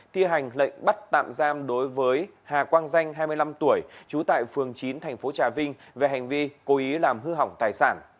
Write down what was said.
thi hành lệnh bắt tạm giam đối với hà quang danh hai mươi năm tuổi trú tại phường chín thành phố trà vinh về hành vi cố ý làm hư hỏng tài sản